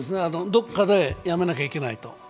どこかでやめなきゃいけないと。